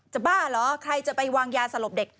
บ้าเหรอใครจะไปวางยาสลบเด็ก